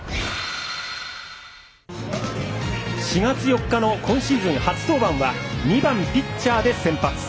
４月４日の今シーズン初登板は２番ピッチャーで先発。